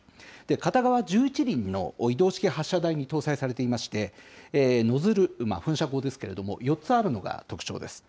片側１１輪の移動式発射台に搭載されていまして、ノズル、噴射口ですけれども、４つあるのが特徴です。